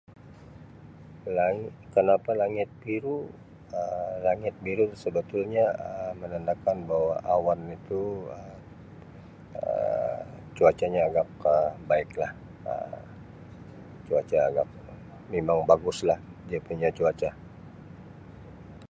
Langit kenapa langit biru Um langit biru sebetul nya Um menandakan bahwa awan itu Um cuacanya Um agak baik lah Um [unintelligible] memang bagus lah dia punya cuaca.